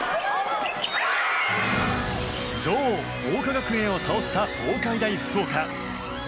女王・桜花学園を倒した東海大福岡。